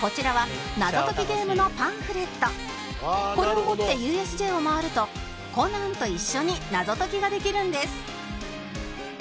これを持って ＵＳＪ を回るとコナンと一緒に謎解きができるんです